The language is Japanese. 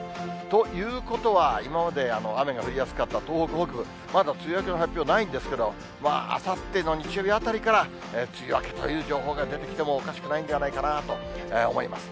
ということは、今まで雨が降りやすかった東北北部、まだ梅雨明けの発表はないんですけど、まああさっての日曜日あたりから梅雨明けという情報が出てきてもおかしくないんではないかなと思います。